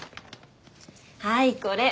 はいこれ！